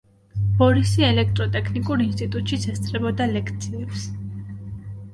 ბორისი ელექტროტექნიკურ ინსტიტუტშიც ესწრებოდა ლექციებს.